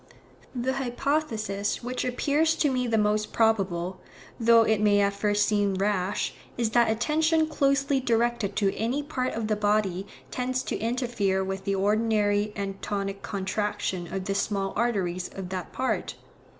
The hypothesis which appears to me the most probable, though it may at first seem rash, is that attention closely directed to any part of the body tends to interfere with the ordinary and tonic contraction of the small arteries of that part.